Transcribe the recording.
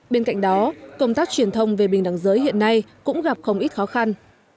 bên cạnh đó công tác truyền thông về bình đẳng giới hiện nay cũng gặp không ít khó khăn